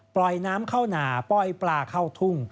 ปล่อยน้ำเข้าหนาปล่อยปลาเข้าทุ่ง